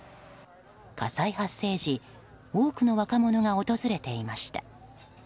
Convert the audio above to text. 火災発生時多くの若者が訪れていました。